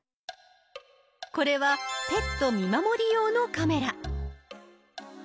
これはペット見守り用のカメラ。